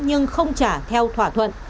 nhưng không trả theo thỏa thuận